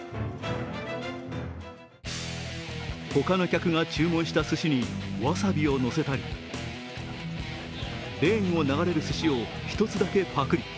他の客が注文したすしにわさびをのせたりレーンを流れるすしを１つだけパクリ。